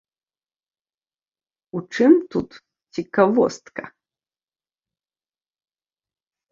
У чым тут цікавостка?